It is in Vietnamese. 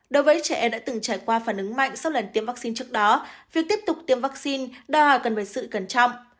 đối với trẻ em đã từng trải qua phản ứng mạnh sau lần tiêm vaccine trước đó việc tiếp tục tiêm vaccine đòi hỏi cần phải sự cẩn trọng